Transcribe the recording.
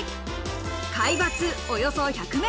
海抜およそ１００ｍ。